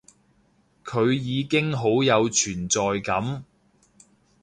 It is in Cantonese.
佢已經好有存在感